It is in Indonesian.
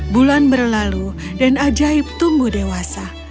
bulan berlalu dan ajaib tumbuh dewasa